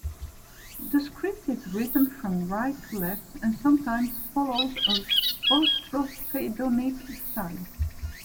The script is written from right to left, and sometimes follows a boustrophedonic style.